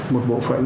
một bộ phận rất là